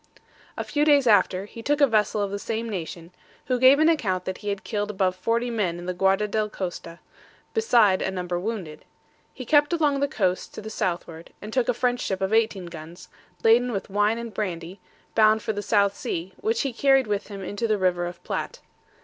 A few days after, he took a vessel of the same nation, who gave an account that he had killed above forty men in the Guarda del Costa, beside a number wounded. He kept along the coast to the southward, and took a French ship of 18 guns, laden with wine and brandy, bound for the South Sea, which he carried with him into the River of Platte.